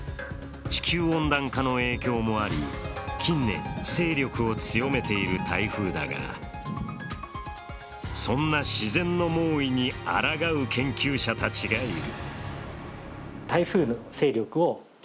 地球温暖化の影響もあり近年、勢力を強めている台風だがそんな自然の猛威にあらがう研究者たちがいる。